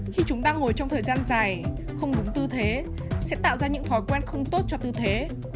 khi chúng ta ngồi trong thời gian dài không đúng tư thế sẽ tạo ra những thói quen không tốt cho tư thế